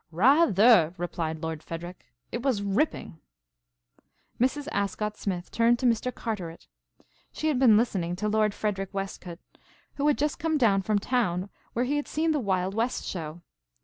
"Rather!" replied Lord Frederic. "It was ripping!" Mrs. Ascott Smith turned to Mr. Carteret. She had been listening to Lord Frederic Westcote, who had just come down from town where he had seen the Wild West show.